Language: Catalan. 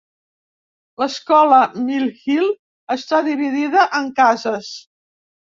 L'escola Mill Hill està dividida en cases.